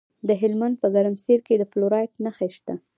د هلمند په ګرمسیر کې د فلورایټ نښې شته.